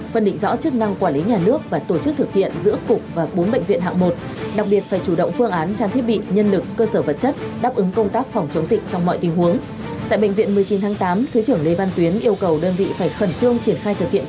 phần mềm trong quá trình triển khai đề án nhằm tránh lãng phí